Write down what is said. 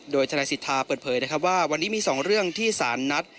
โดยธนายสิทธาเปิดเผยว่าวันนี้มีสองเรื่องที่ศาลนัด